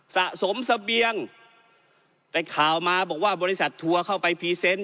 สะสมเสบียงแต่ข่าวมาบอกว่าบริษัททัวร์เข้าไปพรีเซนต์